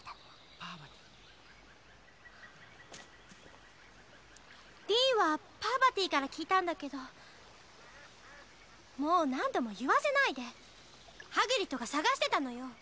パーバティディーンはパーバティから聞いたんだけどもう何度も言わせないでハグリッドがさがしてたのよ